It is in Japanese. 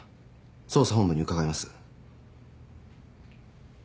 捜査本部に伺います。